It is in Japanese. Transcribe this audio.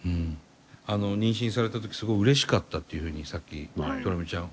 妊娠された時すごいうれしかったっていうふうにさっきドレミちゃん